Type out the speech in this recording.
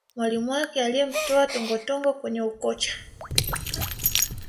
mwalimu wake aliyemtoa tongotongo kwenye ukocha